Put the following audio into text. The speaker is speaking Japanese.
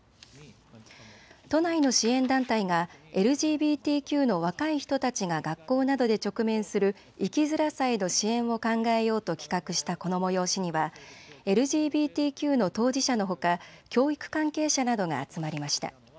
都内の支援団体がＬＧＢＴＱの若い人たちが学校などで直面する生きづらさへの支援を考えようと企画したこの催しにはＬＧＢＴＱの当事者のほか教育関係者などが集まりました。